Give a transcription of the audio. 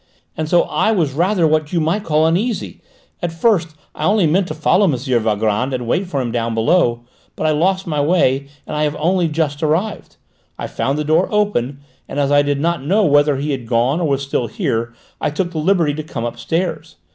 And so I was rather what you might call uneasy; at first I only meant to follow M. Valgrand and wait for him down below, but I lost my way and I have only just arrived; I found the door open, and as I did not know whether he had gone or was still here, I took the liberty to come upstairs.